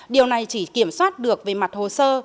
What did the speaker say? điều này chỉ kiểm soát được về mặt hồ sơ